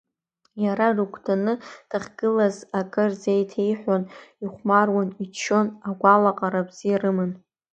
Иара рыгәҭаны дахьгылаз, акы рзеиҭеиҳәон, ихәмаруан, иччон, агәалаҟара бзиа рыман.